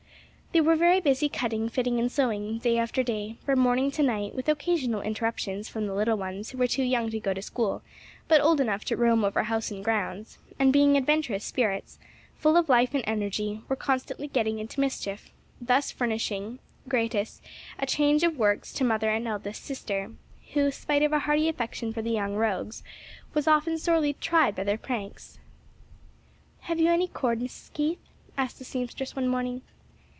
They were very busy cutting, fitting and sewing, day after day, from morning to night with occasional interruptions from the little ones who were too young to go to school but old enough to roam over house and grounds; and being adventurous spirits, full of life and energy, were constantly getting into mischief, thus furnishing, gratis, a change of works to mother and eldest sister, who, spite of a hearty affection for the young rogues, was often sorely tried by their pranks. "Have you any cord, Mrs. Keith?" asked the seamstress, one morning.